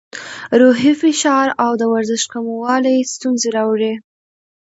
روحي فشار او د ورزش کموالی ستونزې راوړي.